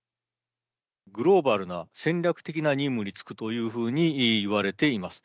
グローバルな戦略的な任務に就くというふうにいわれています。